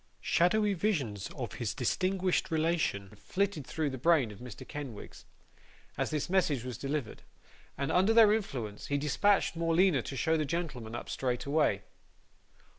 Shadowy visions of his distinguished relation flitted through the brain of Mr. Kenwigs, as this message was delivered; and under their influence, he dispatched Morleena to show the gentleman up straightway.